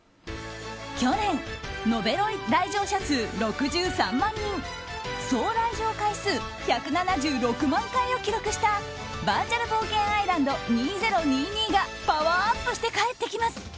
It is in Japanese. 去年、延べ来場者数６３万人総来場回数１７６万回を記録したバーチャル冒険アイランド２０２２がパワーアップして帰ってきます。